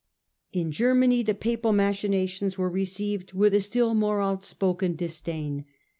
In Germany the Papal machinations were received with a still more outspoken disdain.